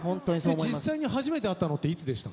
初めて会ったのっていつでした？